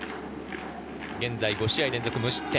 現在、５試合連続無失点。